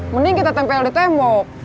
mending kita tempel di tembok